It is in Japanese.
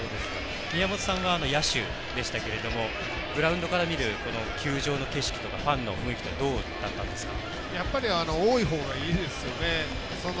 宮本さんは野手でしたけれどもグラウンドから見る球場の景色とかファンの雰囲気は多いほうがいいですよね。